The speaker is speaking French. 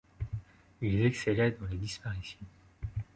Ils excellaient dans les disparitions.